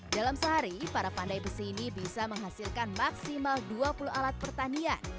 dalam sehari para pandai besi ini bisa menghasilkan maksimal dua puluh alat pertanian